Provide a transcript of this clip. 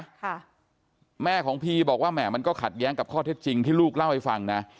ค่ะแม่ของพีบอกว่าแหม่มันก็ขัดแย้งกับข้อเท็จจริงที่ลูกเล่าให้ฟังนะ